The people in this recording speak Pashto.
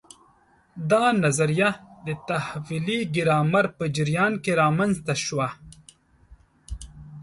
دا نظریه د تحویلي ګرامر په جریان کې رامنځته شوه.